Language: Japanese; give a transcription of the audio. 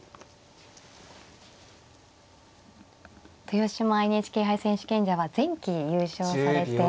豊島ＮＨＫ杯選手権者は前期優勝されて。